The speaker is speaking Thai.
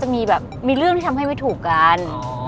มีแบบมีเรื่องที่ทำให้ไม่ถูกกัน